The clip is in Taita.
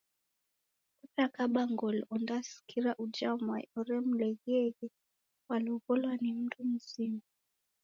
Ocha kaba ngolo ondasikira uja mwai oremleghieghe walow’olo ni mndu mzima.